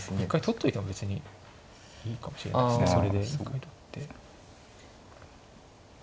一回取っといても別にいいかもしれないですね。